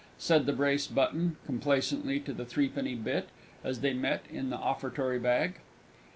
said the Brace button, complacently, to the Threepenny Bit, as they met in the Offertory Bag.